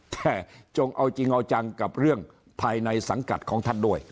แต่จงเอาจริงเอาจังกับเรื่องภายในสังกัดของท่านด้วย